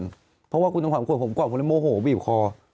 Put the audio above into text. เพราะว่าคุณจงขวัญผมขวนผมกว่าผมเลยโมโหบีบคอ